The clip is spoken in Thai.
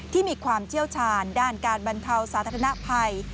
ที่มีความเจ้าชาญด้านการบรรเทาสาธารณภัย